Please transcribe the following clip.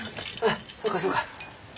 あそうかそうか。